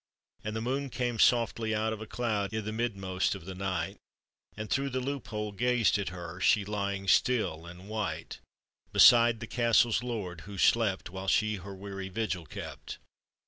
And the moon came softly out of a cloud I' the midmost of the night, And through the loop hole gazed at her, She lying still and white Beside the castle's lord, who slept While she her weary vigil kept.